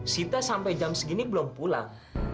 sita sampai jam segini belum pulang